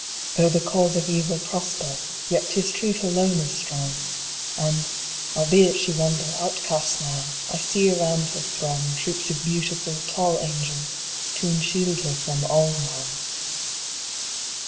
Though the cause of Evil prosper, yet 'tis Truth alone is strong, And, albeit she wander outcast now, I see around her throng Troops of beautiful, tall angels, to enshield her from all wrong.